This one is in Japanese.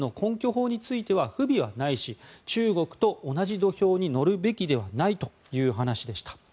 法については不備はないし中国と同じ土俵に乗るべきではないということでした。